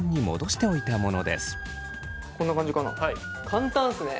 簡単ですね！